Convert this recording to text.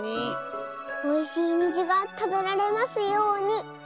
おいしいにじがたべられますように。